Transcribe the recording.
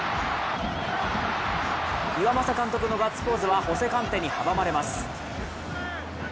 岩政監督のガッツポーズはホセ・カンテに阻まれます。